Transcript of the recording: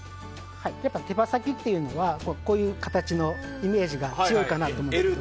手羽先っていうのはこういう形のイメージが強いと思います。